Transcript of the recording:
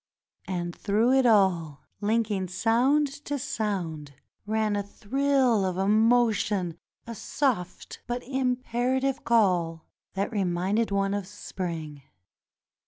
And through it all, Unking sound to sound, ran a thrill of emotion, a soft but imperative call that reminded one of spring.